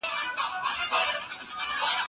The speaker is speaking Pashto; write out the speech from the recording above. په خوی چنګېز یې په زړه سکندر یې